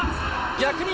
逆に。